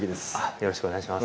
よろしくお願いします。